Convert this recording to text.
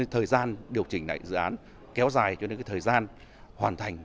thời gian điều chỉnh lại dự án kéo dài cho nên cái thời gian hoàn thành